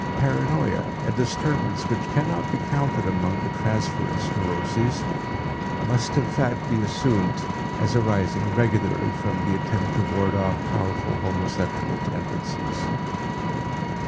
Paranoia, a disturbance which cannot be counted among the transference neuroses, must in fact be assumed as arising regularly from the attempt to ward off powerful homosexual tendencies.